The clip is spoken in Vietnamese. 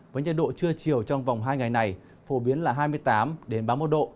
với nhiệt độ trưa chiều trong vòng hai ngày này phổ biến là hai mươi tám ba mươi một độ